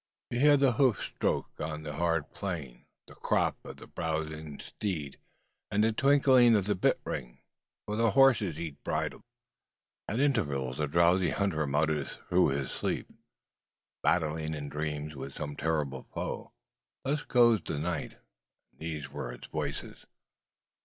You hear the hoof stroke on the hard plain, the "crop" of the browsing steed, and the tinkling of the bit ring, for the horses eat bridled. At intervals, a drowsy hunter mutters through his sleep, battling in dreams with some terrible foe. Thus goes the night. These are its voices.